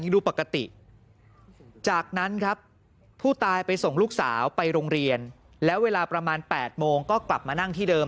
ลูกสาวไปโรงเรียนแล้วเวลาประมาณ๘โมงก็กลับมานั่งที่เดิม